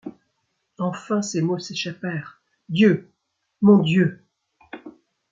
Enfin, ces mots s’échappèrent :« Dieu ! mon Dieu !